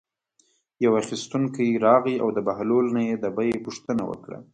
یو اخیستونکی راغی او د بهلول نه یې د بیې پوښتنه وکړه.